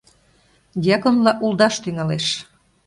Дьяконла улдаш тӱҥалеш.